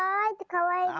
かわいい！